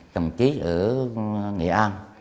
chồng chí ở nghị an